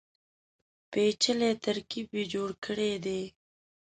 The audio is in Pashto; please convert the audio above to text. پېچلی ترکیب یې جوړ کړی دی.